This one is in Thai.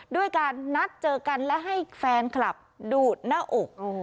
ด้วยการนัดเจอกันและให้แฟนคลับดูดหน้าอก